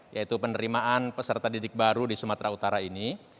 yaitu penerimaan peserta didik baru di sumatera utara ini